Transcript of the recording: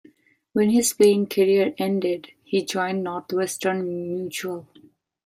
When his playing career ended, he joined Northwestern Mutual.